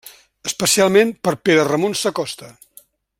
Especialment per Pere Ramon Sacosta.